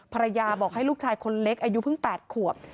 ภรรยาบอกให้ลูกชายคนเล็กอายุเพิ่ง๘ขวบ